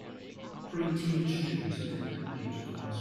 Preteen students attend a computer class.